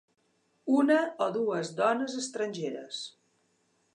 Una o dues dones estrangeres